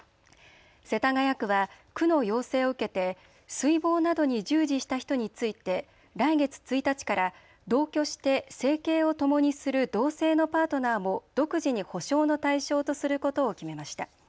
世田谷区は区の要請を受けて水防などに従事した人について来月１日から同居して生計をともにする同性のパートナーも独自に補償の対象とすることを決めました。